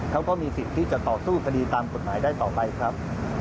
เขาก็มีสิทธิ์ที่จะต่อสู้คดีตามกฎหมายได้ต่อไปครับ